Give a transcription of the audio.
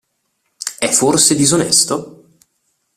È forse disonesto?